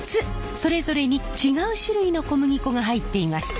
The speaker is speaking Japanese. それぞれに違う種類の小麦粉が入っています。